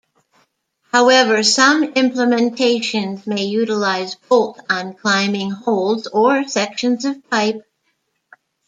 However, some implementations may utilize bolt on climbing holds or sections of pipe.